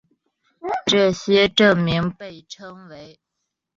这些证明被称为。